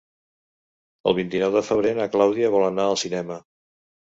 El vint-i-nou de febrer na Clàudia vol anar al cinema.